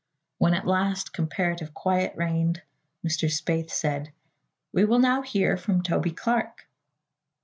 When, at last, comparative quiet reigned, Mr. Spaythe said: "We will now hear from Toby Clark."